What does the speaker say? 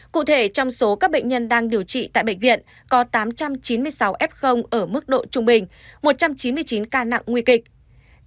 cụ thể trong số các bệnh nhân đang điều trị tại bệnh viện có tám trăm chín mươi sáu f ở mức độ trung bình một trăm chín mươi chín ca nặng nguy kịch